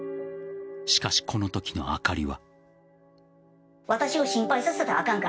しかし、このときのあかりは。